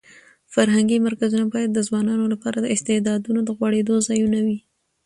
فرهنګي مرکزونه باید د ځوانانو لپاره د استعدادونو د غوړېدو ځایونه وي.